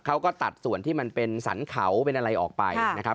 เขาก็ตัดส่วนที่มันเป็นสรรเขาเป็นอะไรออกไปนะครับ